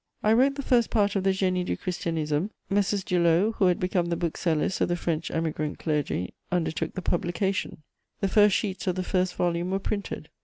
I wrote the first part of the Génie du Christianisme. Messrs. Dulau, who had become the booksellers of the French emigrant clergy, undertook the publication. The first sheets of the first volume were printed.